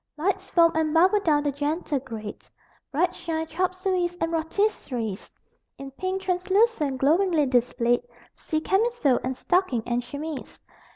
Lights foam and bubble down the gentle grade: Bright shine chop sueys and rôtisseries; In pink translucence glowingly displayed See camisole and stocking and chemise.